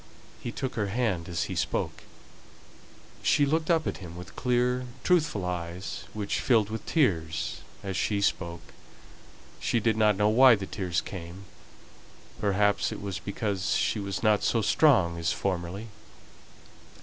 He took her hand as he spoke. She looked up at him with clear, truthful eyes, which filled with tears as she spoke. She did not know why the tears came; perhaps it was because she was not so strong as formerly.